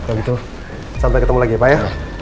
kalau gitu sampai ketemu lagi pak ya